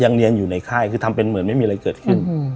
เรียนอยู่ในค่ายคือทำเป็นเหมือนไม่มีอะไรเกิดขึ้น